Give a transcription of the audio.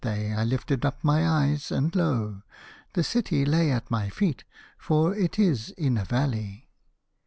day I lifted up my eyes, and lo ! the city lay at my feet, for it is in a valley.